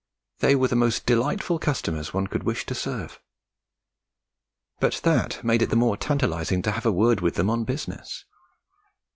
They were the most delightful customers one could wish to serve. But that made it the more tantalising to have but a word with them on business.